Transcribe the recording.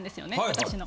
私の。